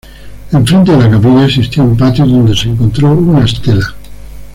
Enfrente de la capilla existía un patio donde se encontró una estela.